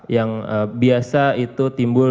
yang biasa itu timbul